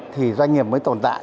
thì doanh nghiệp mới tồn tại